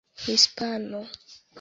hispano